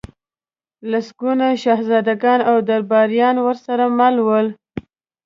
لسګوني شهزادګان او درباریان ورسره مل ول.